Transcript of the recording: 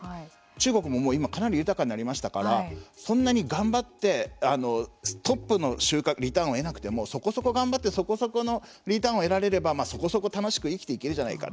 中国も今かなり豊かになりましたからそんなに頑張ってトップのリターンを得なくてもそこそこ頑張って、そこそこのリターンを得られればそこそこ楽しく生きていけるじゃないか。